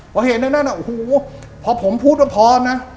ก็เห็นนั่นอ่ะหูพอผมพูดว่าพอนะ